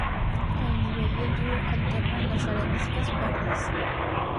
Al nivel del río, alternan las areniscas pardas.